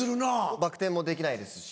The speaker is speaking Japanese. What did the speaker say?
バック転もできないですし。